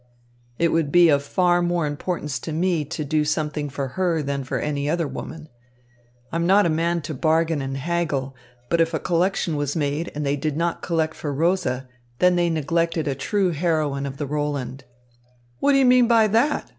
"It would be of far more importance to me to do something for her than for any other woman. I'm not a man to bargain and haggle; but if a collection was made and they did not collect for Rosa, then they neglected a true heroine of the Roland." "What do you mean by that?